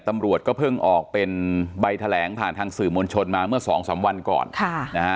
ตำรวจก็เพิ่งออกเป็นใบแถลงผ่านทางสื่อมวลชนมาเมื่อ๒๓วันก่อน